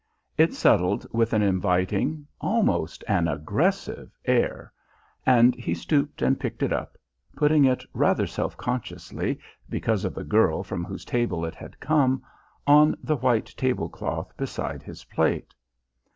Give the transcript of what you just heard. It settled with an inviting, almost an aggressive air. And he stooped and picked it up, putting it rather self consciously, because of the girl from whose table it had come, on the white tablecloth beside his plate.